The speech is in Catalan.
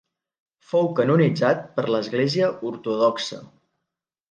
Fou canonitzat per l'Església Ortodoxa.